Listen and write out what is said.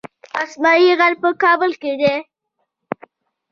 اسمايي غر په کابل کې دی